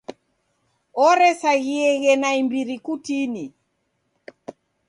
Oresaghieghe naimbiri kutini.